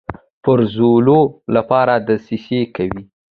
پرزولو لپاره دسیسې کوي.